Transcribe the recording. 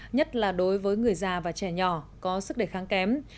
nhất là đối với người già và trẻ nhỏ có sức đề kháng kém